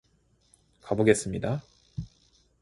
가 보겠습니다.